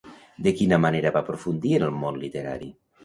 De quina manera va aprofundir en el món literari?